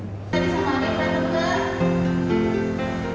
bisa mengalami penempatan